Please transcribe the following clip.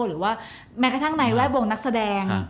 หรือว่าแม้กระทั่งในแวดวงนักแสดง